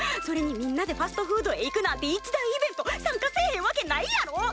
それにみんなでファストフードへ行くなんて一大イベント参加せえへんわけないやろ！